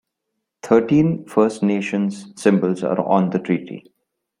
Thirteen First Nations symbols are on the treaty.